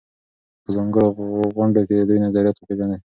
په ځانګړو غونډو کې د دوی نظریات وپېژنئ.